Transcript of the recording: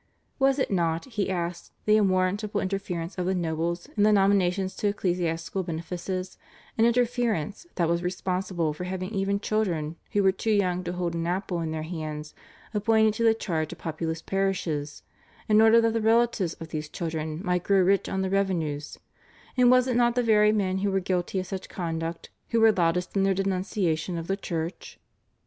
Was it not, he asked, the unwarrantable interference of the nobles in the nominations to ecclesiastical benefices, an interference that was responsible for having even children who were too young to hold an apple in their hands appointed to the charge of populous parishes, in order that the relatives of these children might grow rich on the revenues, and was it not the very men who were guilty of such conduct who were loudest in their denunciation of the Church?